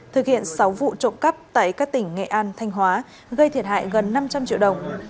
thực hiện sáu vụ trộm cắp tại các tỉnh nghệ an thanh hóa gây thiệt hại gần năm trăm linh triệu đồng